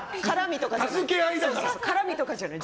絡みとかじゃない。